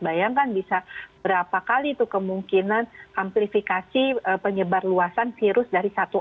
bayangkan bisa berapa kali tuh kemungkinan amplifikasi penyebar luasan virus dari satu